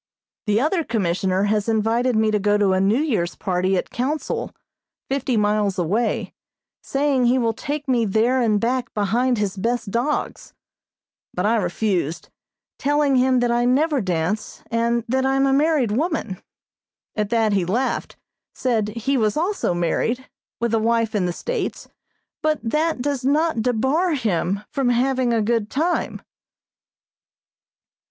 The other Commissioner has invited me to go to a New Year's party at Council, fifty miles away, saying he will take me there and back behind his best dogs, but I refused, telling him that I never dance, and that I am a married woman. At that he laughed, said he was also married, with a wife in the States, but that does not debar him from having a good time.